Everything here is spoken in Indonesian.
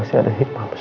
masih ada hikmah besar